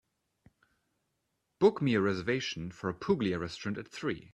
Book me a reservation for a puglia restaurant at three